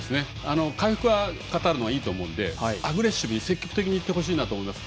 回復はカタールのほうがいいと思うのでアグレッシブに積極的にいってほしいなと思います。